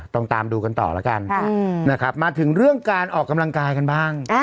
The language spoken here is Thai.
ตามดูกันต่อแล้วกันนะครับมาถึงเรื่องการออกกำลังกายกันบ้าง